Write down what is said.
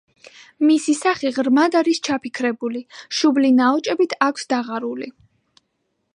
მისი სახე ღრმად არის ჩაფიქრებული, შუბლი ნაოჭებით აქვს დაღარული.